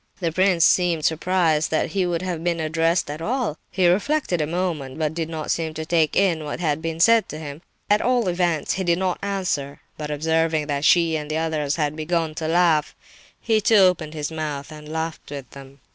The prince seemed surprised that he should have been addressed at all; he reflected a moment, but did not seem to take in what had been said to him; at all events, he did not answer. But observing that she and the others had begun to laugh, he too opened his mouth and laughed with them.